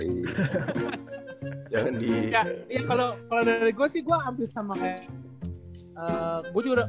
iya kalau dari gue sih gue hampir sama kayak